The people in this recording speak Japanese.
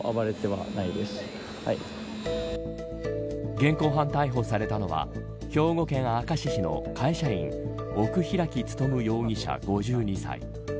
現行犯逮捕されたのは兵庫県明石市の会社員奥開努容疑者５２歳。